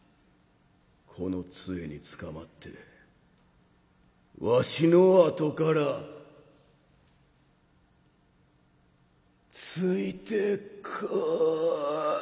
この杖につかまってわしのあとからついてこぉい」。